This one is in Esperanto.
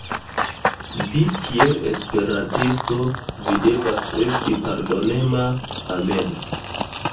Vi kiel esperantisto, vi devas esti pardonema, amema.